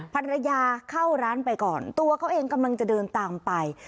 ภรรยาเข้าร้านไปก่อนตัวเขาเองกำลังจะเดินตามไป